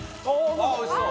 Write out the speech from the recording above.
奈緒：おいしそう！